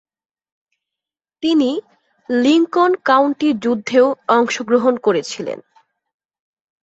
তিনি Lincoln County যুদ্ধেও অংশগ্রহণ করেছিলেন।